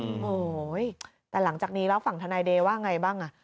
โอ้โหแต่หลังจากนี้แล้วฝั่งทนายเดย์ว่าไงบ้างอ่ะ